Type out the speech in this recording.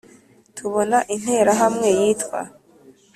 tubona interahamwe yitwa…..